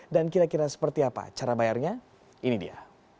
dan kira kira seperti apa cara bayarnya ini dia